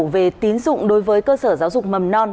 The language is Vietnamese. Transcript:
về tín dụng đối với cơ sở giáo dục mầm non